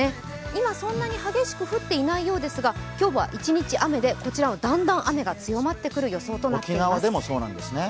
今、そんなに激しく降っていないようですが今日は１日雨で、こちらはだんだん雨が強まっていく予想となっています。